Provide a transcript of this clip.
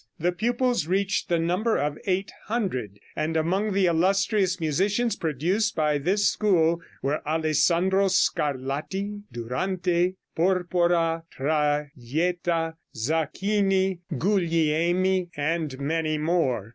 The pupils reached the number of 800, and among the illustrious musicians produced by this school were Alessandro Scarlatti, Durante, Porpora, Trajetta, Sacchini, Gugliemi and many more.